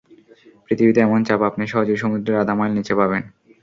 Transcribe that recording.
পৃথিবীতে এমন চাপ আপনি সহজেই সমুদ্রের আধা-মাইল নিচে পাবেন।